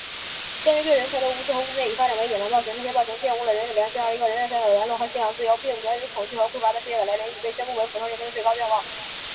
鉴于对人权的无视和侮蔑已发展为野蛮暴行,这些暴行玷污了人类的良心,而一个人人享有言论和信仰自由并免予恐惧和匮乏的世界的来临,已被宣布为普通人民的最高愿望